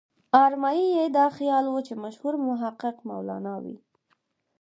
ارمایي دا خیال و چې مشهور محقق مولانا وي.